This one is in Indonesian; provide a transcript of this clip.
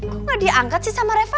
kok gak diangkat sih sama reva